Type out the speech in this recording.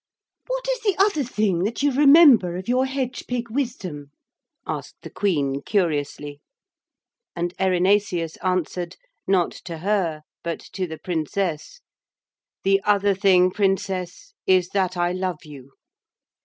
'What is the other thing that you remember of your hedge pig wisdom?' asked the Queen curiously. And Erinaceus answered, not to her but to the Princess: 'The other thing, Princess, is that I love you.'